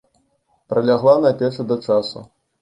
Прылягла на печы да часу.